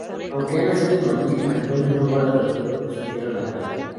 Aunque ha nacido en madrid, Antonio no guarda recuerdo de su tierra natal.